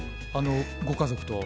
ご家族と？